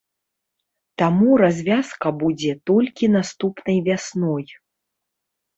Таму развязка будзе толькі наступнай вясной.